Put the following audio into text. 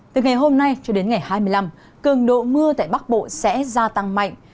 từ ngày hôm nay cho đến ngày hai mươi năm cường độ mưa tại bắc bộ sẽ gia tăng mạnh